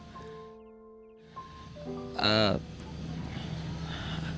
syukur kalo kayak gitu